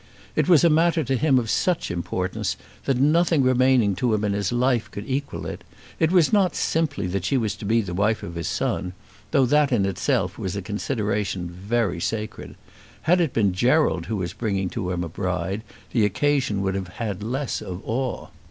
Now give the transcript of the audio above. It was a matter to him of such importance that nothing remaining to him in his life could equal it. It was not simply that she was to be the wife of his son, though that in itself was a consideration very sacred. Had it been Gerald who was bringing to him a bride, the occasion would have had less of awe.